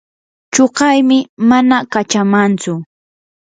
chuqaymi mana kachamantsu.